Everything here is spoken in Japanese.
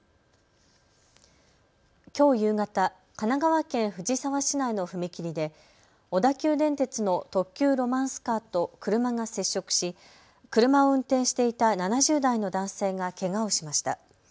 きょう夕方、神奈川県藤沢市内の踏切で小田急電鉄の特急ロマンスカーと車が接触し車を運転していた７０代の男性がけがをしました。